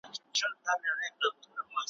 ما سهار دي ور منلي شنه لوټونه ,